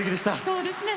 そうですね